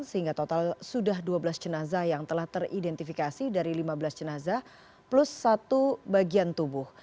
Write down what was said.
sehingga total sudah dua belas jenazah yang telah teridentifikasi dari lima belas jenazah plus satu bagian tubuh